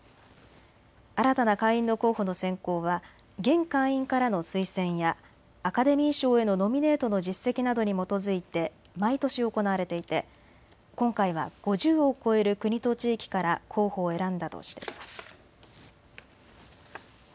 新たな会員の候補の選考は現会員からの推薦やアカデミー賞へのノミネートの実績などに基づいて毎年行われていて今回は５０を超える国と地域から候補を選んだとしています。